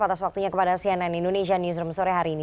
atas waktunya kepada cnn indonesia newsroom sore hari ini